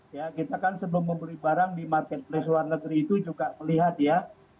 ya kita kan sebelum membeli barang di marketplace luar negeri itu juga melihat ya